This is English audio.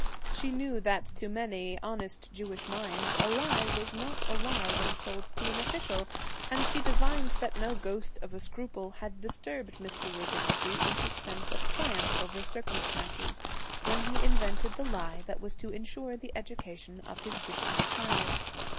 She knew that to many honest Jewish minds a lie was not a lie when told to an official; and she divined that no ghost of a scruple had disturbed Mr. Rudinsky in his sense of triumph over circumstances, when he invented the lie that was to insure the education of his gifted child.